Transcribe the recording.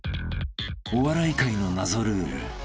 ［お笑い界の謎ルール］